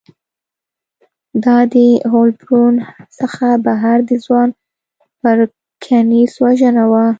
دا د هولبورن څخه بهر د ځوان پرکینز وژنه وه